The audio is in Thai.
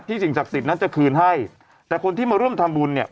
สิ่งศักดิ์สิทธิ์นั้นจะคืนให้แต่คนที่มาร่วมทำบุญเนี่ย